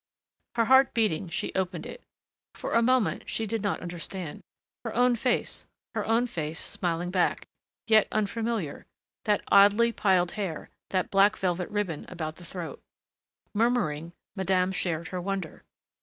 Her heart beating, she opened it. For a moment she did not understand. Her own face her own face smiling back. Yet unfamiliar, that oddly piled hair, that black velvet ribbon about the throat.... Murmuring, madame shared her wonder.